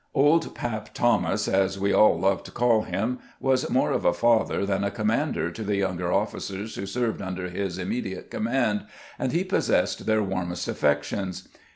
" Old Pap Thomas," as we all loved to call him, was more of a father than a com mander to the younger officers who served under his immediate command, and he possessed their warmest affections.